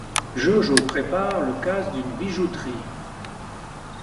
Jojo prépare le casse d'une bijouterie.